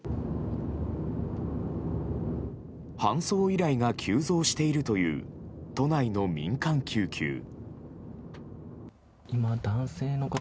搬送依頼が急増しているという都内の民間救急。